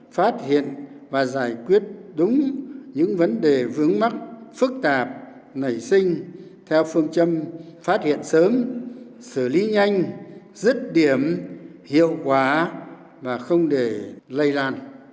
phát hiện và giải quyết đúng những vấn đề vướng mắc phức tạp nảy sinh theo phương châm phát hiện sớm xử lý nhanh dứt điểm hiệu quả và không để lây lan